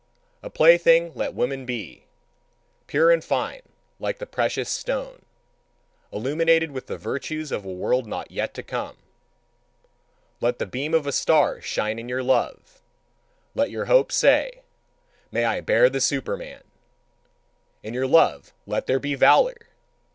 A plaything let woman be, pure and fine like the precious stone, illumined with the virtues of a world not yet come. Let the beam of a star shine in your love! Let your hope say: "May I bear the Superman!" In your love let there be valour!